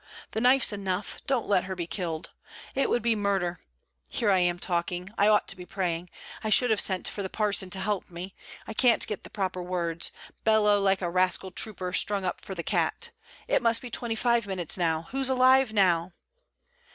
the knife's enough; don't let her be killed! It would be murder. Here am I talking! I ought to be praying. I should have sent for the parson to help me; I can't get the proper words bellow like a rascal trooper strung up for the cat. It must be twenty five minutes now. Who's alive now!'